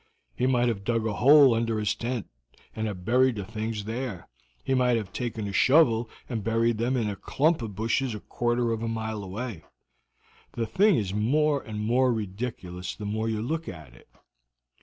He might have dug a hole under his tent and have buried the things there; he might have taken a shovel and buried them in a clump of bushes a quarter of a mile away. The thing is more and more ridiculous the more you look at it."